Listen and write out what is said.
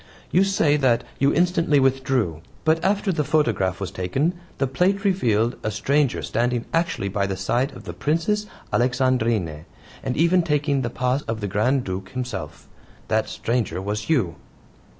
You say that you instantly withdrew. But after the photograph was taken the plate revealed a stranger standing actually by the side of the Princess Alexandrine, and even taking the PAS of the Grand Duke himself. That stranger was you!"